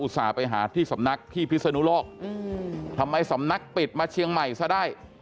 ไปหาที่สำนักที่พิศนุโลกทำไมสำนักปิดมาเชียงใหม่ซะได้